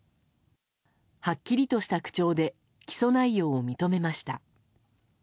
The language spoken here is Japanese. はっきりとした口調で起訴内容を認めました。